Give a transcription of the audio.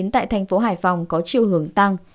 tại thành phố hải phòng có triệu hưởng tăng